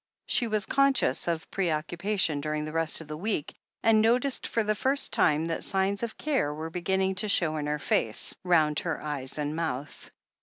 She was conscious of preoccupation during the rest of the week, and noticed for the first time that signs of care were beginning to show in her face, round her eyes and mouth.